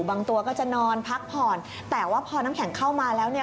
ตัวก็จะนอนพักผ่อนแต่ว่าพอน้ำแข็งเข้ามาแล้วเนี่ย